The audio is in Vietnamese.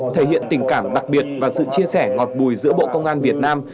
thể hiện tình cảm đặc biệt và sự chia sẻ ngọt bùi giữa bộ công an việt nam